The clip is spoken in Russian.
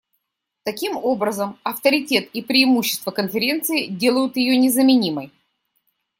Таким образом, авторитет и преимущества Конференции делают ее незаменимой.